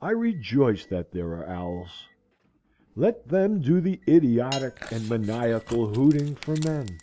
I rejoice that there are owls. Let them do the idiotic and maniacal hooting for men.